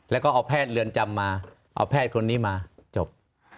แล้วก็เอาแพทย์เรือนจำมาเอาแพทย์คนนี้มาจบ